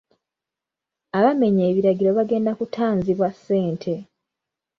Abamenya ebiragiro bagenda kutaanzibwa ssente.